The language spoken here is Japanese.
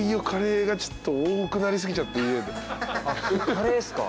カレーっすか？